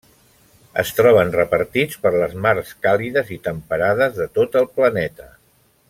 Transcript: Es troben repartits per les mars càlides i temperades de tot el planeta.